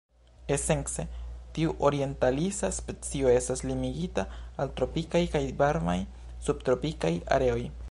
Esence tiu orientalisa specio estas limigita al tropikaj kaj varmaj subtropikaj areoj.